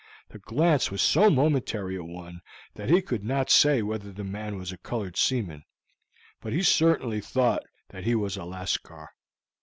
The glance was so momentary a one that he could not say whether the man was a colored seaman; but he certainly thought that he was a Lascar.